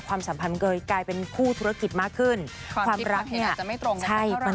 ความสัมพันธ์เกย์กลายเป็นคู่ธุรกิจมากขึ้นความรักเนี่ยความคิดความคิดอาจจะไม่ตรง